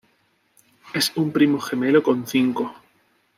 Es un primo gemelo con cinco.